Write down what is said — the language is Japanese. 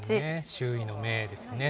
周囲の目ですよね。